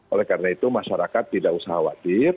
oleh karena itu masyarakat tidak usah khawatir